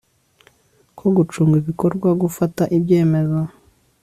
ko gucunga ibikorwa gufata ibyemezo